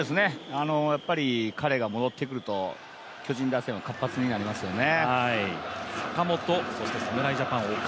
やっぱり彼が戻ってくると巨人打線は活発になりますよね。